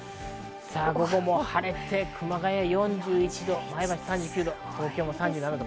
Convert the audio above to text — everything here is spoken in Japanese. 午後も晴れて熊谷４１度、前橋３９度、東京３７度。